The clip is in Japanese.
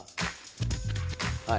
はい。